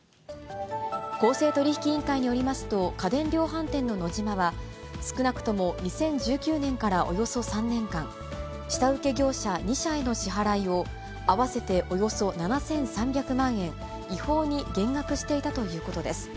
公正取引委員会によりますと、家電量販店のノジマは、少なくとも２０１９年からおよそ３年間、下請け業者２社への支払いを、合わせておよそ７３００万円違法に減額していたということです。